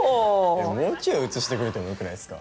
もうちょい映してくれてもよくないっすか？